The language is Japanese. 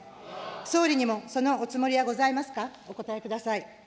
総理にもそのおつもりはございますか、お答えください。